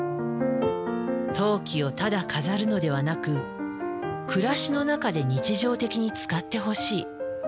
陶器をただ飾るのではなく「暮らしの中で日常的に使ってほしい」。